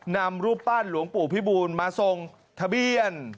นำรูปปั้นหลวงปู่พิบูลมาทรงทะเบียน